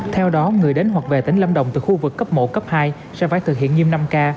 theo đó người đến hoặc về tỉnh lâm đồng từ khu vực cấp một cấp hai sẽ phải thực hiện nghiêm năm k